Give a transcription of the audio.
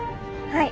はい！